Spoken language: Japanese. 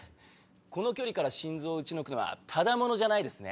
この距離から心臓を撃ち抜くのはただ者じゃないですね。